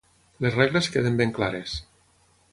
Les regles queden ben clares.